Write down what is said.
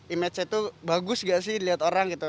image saya tuh bagus gak sih dilihat orang gitu